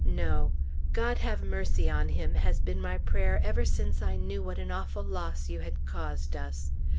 No! "God have mercy on him!" has been my prayer ever since I knew what an awful loss you had caused us.